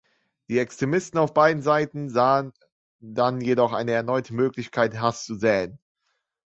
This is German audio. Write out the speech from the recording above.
Die Extremisten auf beiden Seiten sahen dann jedoch eine erneute Möglichkeit, Hass zu säen.